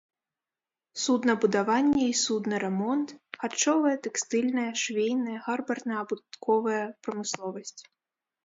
Суднабудаванне і суднарамонт, харчовая, тэкстыльная, швейная, гарбарна-абутковая прамысловасць.